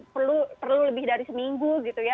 perlu lebih dari seminggu